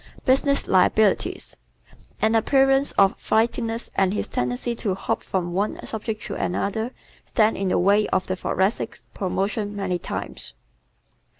Business Liabilities ¶ An appearance of flightiness and his tendency to hop from one subject to another, stand in the way of the Thoracic's promotion many times.